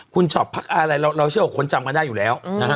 คุณชอบพักอะไรเราเชื่อว่าคนจำกันได้อยู่แล้วนะฮะ